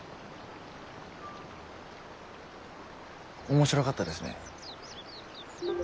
面白かったですね。